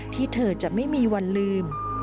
ที่เธอจะไม่มีวันลืม